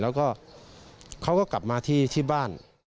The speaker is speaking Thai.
แล้วก็เขาก็กลับมาที่บ้าน